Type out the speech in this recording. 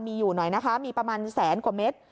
มีอยู่หน่อยนะคะมีประมาณแสนกว่าเม็ด